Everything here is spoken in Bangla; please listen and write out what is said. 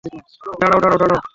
দাঁড়াও, দাঁড়াও, দাঁড়াও!